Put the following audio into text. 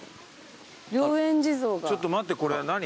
ちょっと待ってこれ何？